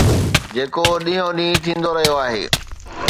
جيڪو ڏينهون ڏينهن ٿيندو رهيو آهي.